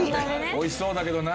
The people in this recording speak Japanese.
美味しそうだけどな。